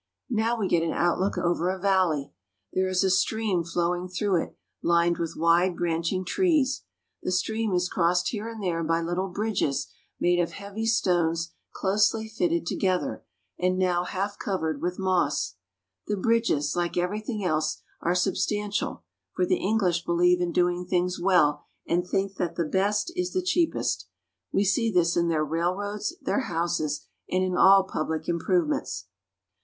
Now we get an outlook over a valley. There is a stream flowing through it lined with wide branching trees. The stream is crossed here and there by little bridges made of heavy stones closely fitted together, and now half covered with moss. The bridges, like everything else, are substan tial, for the English believe in doing things well, and think that the best is the cheapest. We see this in their rail roads, their houses, and in all public improvements.